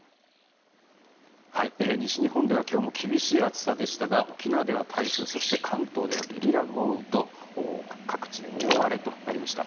西日本では今日も厳しい暑さでしたが沖縄では台風そして関東ではゲリラ豪雨と各地で大荒れとなりました。